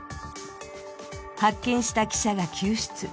発見した記者が救出。